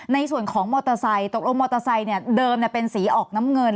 ในส่วนของมอเตอร์ไซค์ตกลงมอเตอร์ไซค์เดิมเป็นสีออกน้ำเงิน